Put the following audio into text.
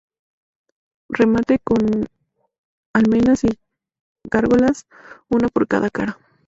Remate con almenas y gárgolas, una por cada cara.